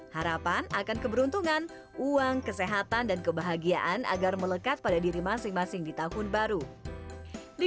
harapan akan keberuntungan uang kesehatan dan kebahagiaan agar melekat pada diri masing masing di tahun baru